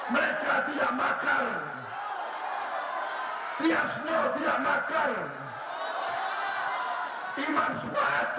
mereka tidak makar